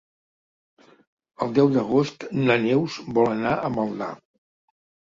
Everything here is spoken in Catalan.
El deu d'agost na Neus vol anar a Maldà.